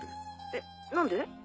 えっ何で？